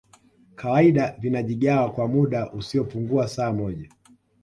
kawaida vinajigawa kwa muda usiopungua saa moja